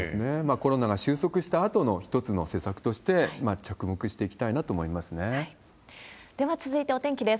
コロナが収束したあとの一つの施策として、着目していきたいでは続いてお天気です。